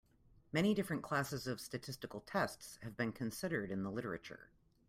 Many different classes of statistical tests have been considered in the literature.